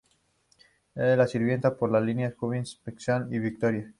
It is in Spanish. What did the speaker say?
Es servida por las líneas Jubilee, Piccadilly y Victoria.